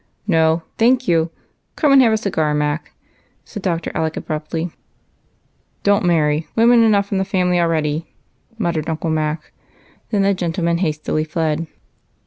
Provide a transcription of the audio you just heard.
"No, thank you. Come and have a cigar, Mac," said Dr. Alec, abruptly. "Don't marry; women enough in the family al ready," muttered Uncle Mac ; and then the gentlemen hastily fled.